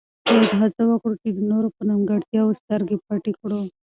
باید هڅه وکړو چې د نورو په نیمګړتیاوو سترګې پټې کړو.